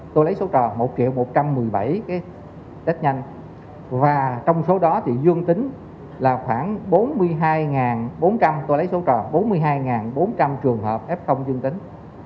tôi lấy số trò một một trăm một mươi bảy cái test nhanh và trong số đó thì dương tính là khoảng bốn mươi hai bốn trăm linh tôi lấy số trò bốn mươi hai bốn trăm linh trường hợp f dương tính